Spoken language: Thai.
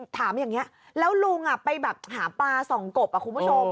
ถามอย่างนี้แล้วลุงไปแบบหาปลาส่องกบคุณผู้ชม